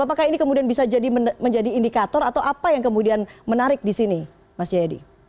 apakah ini kemudian bisa menjadi indikator atau apa yang kemudian menarik di sini mas jayadi